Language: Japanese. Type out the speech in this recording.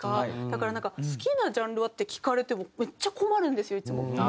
だからなんか「好きなジャンルは？」って聞かれてもめっちゃ困るんですよいつも。